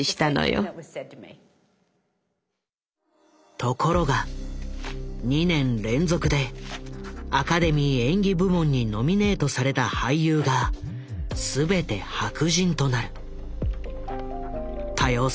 ところが２年連続でアカデミー演技部門にノミネートされた俳優が全て白人となる。